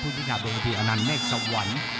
ผู้ชิงคาบโดยภิกษ์อนันต์เมฆสวรรค์